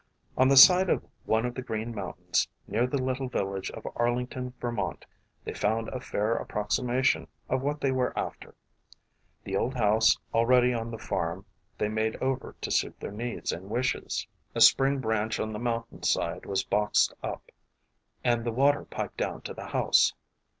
On the side of one of the Green Mountains, near the little village 302 THE WOMEN WHO MAKE OUR NOVELS of Arlington, Vermont, they found a fair approxi mation of what they were after. The old house al ready on the farm they made over to suit their needs and wishes. A spring branch on the mountain side was boxed up and the water piped down to the house.